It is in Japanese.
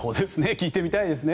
聞いてみたいですね。